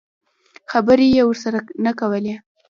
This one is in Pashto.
خبرې یې ورسره نه کولې.